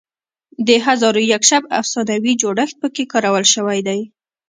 د هزار و یک شب افسانوي جوړښت پکې کارول شوی دی.